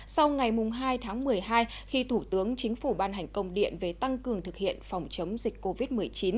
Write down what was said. sau ngày hai tháng một mươi hai khi thủ tướng chính phủ ban hành công điện về tăng cường thực hiện phòng chống dịch covid một mươi chín